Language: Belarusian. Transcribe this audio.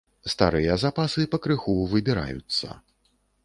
Старыя запасы пакрыху выбіраюцца.